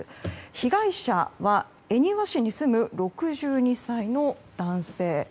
被害者は恵庭市に住む６２歳の男性。